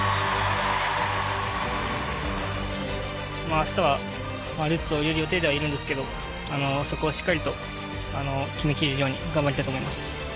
明日はルッツを入れる予定ではいるんですけどそこをしっかりと決めきれるように頑張りたいと思います。